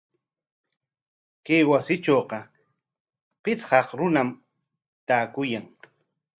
Chay wasitrawqa pichqaq runam taakuyan.